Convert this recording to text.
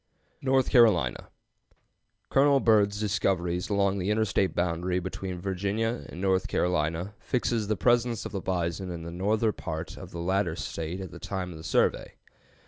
NORTH CAROLINA. Colonel Byrd's discoveries along the interstate boundary between Virginia and North Carolina fixes the presence of the bison in the northern part of the latter State at the date of the survey.